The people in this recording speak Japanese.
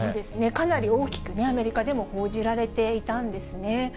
かなり大きくアメリカでも報じられていたんですね。